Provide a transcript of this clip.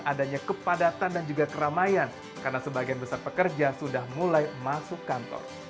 adanya kepadatan dan juga keramaian karena sebagian besar pekerja sudah mulai masuk kantor